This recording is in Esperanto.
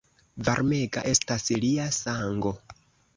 Varmega estas lia sango!